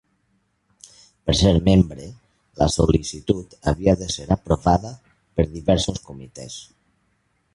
Per ser membre, la sol·licitud havia de ser aprovada per diversos comitès.